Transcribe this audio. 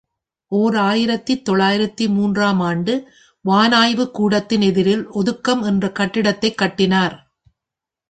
ஓர் ஆயிரத்து தொள்ளாயிரத்து மூன்று ஆம் ஆண்டு வானாய்வுக் கூடத்தின் எதிரில் ஒதுக்கம் என்ற கட்டிடத்தைக் கட்டினார்.